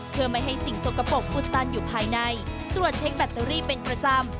เพื่อไม่ให้สิ่งสกปรกอุดตันอยู่ภายในตรวจเช็คแบตเตอรี่เป็นประจำ